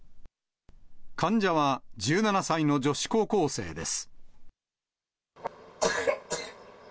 患者は１７歳の女子高校生です。